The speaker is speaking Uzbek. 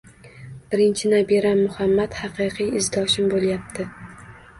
Birinchi nabiram Muhammad haqiqiy izdoshim bo’lyapti.